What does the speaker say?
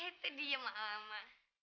itu dia mama